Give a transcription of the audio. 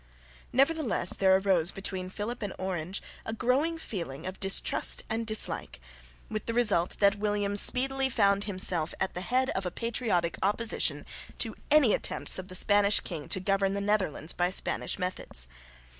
Nevertheless there arose between Philip and Orange a growing feeling of distrust and dislike, with the result that William speedily found himself at the head of a patriotic opposition to any attempts of the Spanish king to govern the Netherlands by Spanish methods.